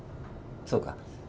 そうか。